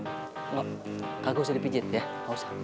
enggak usah dipijet ya enggak usah